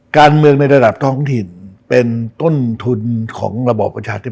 การเมืองในระดับท้องถิ่นเป็นต้นทุนของระบอบประชาธิ